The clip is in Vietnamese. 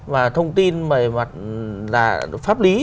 và thông tin mà là pháp lý